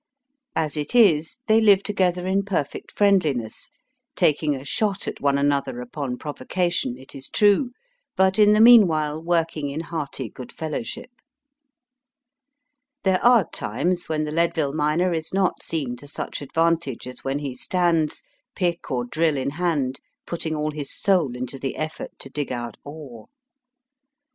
As it is, they live together in perfect friendhness, taking a shot at one another upon provocation, it is true, but in the meanwhile working in hearty good fellowship. There are times when the Leadville miner is not seen to such advantage as when he stands, pick or drill in hand, putting all his soul into the effort to dig out ore.